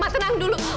ma tenang dulu ma